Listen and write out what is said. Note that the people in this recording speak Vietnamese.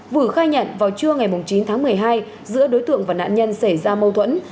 vử khai nhận vào trưa ngày chín tháng một mươi hai giữa đối tượng và nạn nhân xảy ra mâu thuẫn